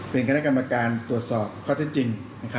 เป็นคณะกรรมการตรวจสอบข้อเท็จจริง